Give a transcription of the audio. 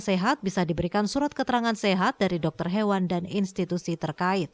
sehat bisa diberikan surat keterangan sehat dari dokter hewan dan institusi terkait